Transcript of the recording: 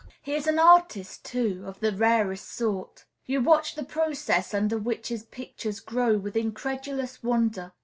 He is an artist, too, of the rarest sort. You watch the process under which his pictures grow with incredulous wonder.